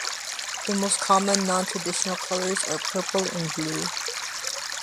The most common non-traditional colors are purple and blue.